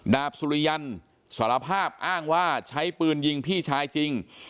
บสุริยันสารภาพอ้างว่าใช้ปืนยิงพี่ชายจริง